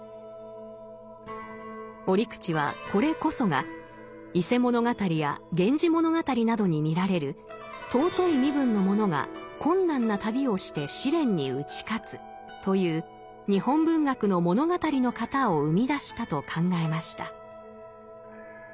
折口はこれこそが「伊勢物語」や「源氏物語」などに見られる「尊い身分の者が困難な旅をして試練に打ち勝つ」という日本文学の物語の型を生み出したと考えました。